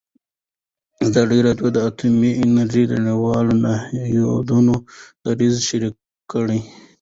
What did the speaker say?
ازادي راډیو د اټومي انرژي د نړیوالو نهادونو دریځ شریک کړی.